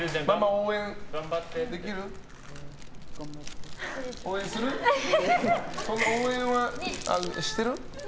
応援はしてる？